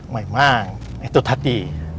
memang itu tadi